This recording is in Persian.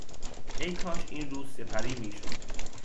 ای کاش این روز سپری میشد!